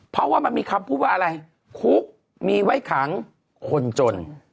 เพราะว่ามันมีคำพูดว่าอะไรคุกมีไว้ขังคนจน